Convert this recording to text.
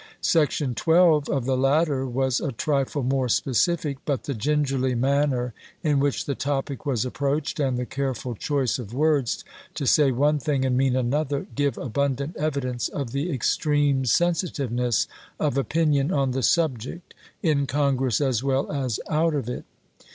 Section 12 of the latter was a tritie more specific ; but the gingerly manner in which the topic was approached, and the careful choice of words to say one thing and mean another, give abundant evidence of the ex treme sensitiveness of opinion on the subject, in Congress as well as out of it.